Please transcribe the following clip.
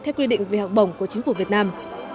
theo quy định về học bổng của chính phủ việt nam